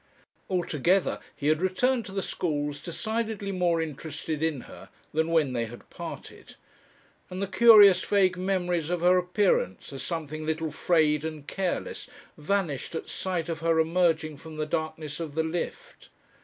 Altogether he had returned to the schools decidedly more interested in her than when they had parted. And the curious vague memories of her appearance as something a little frayed and careless, vanished at sight of her emerging from the darkness of the lift.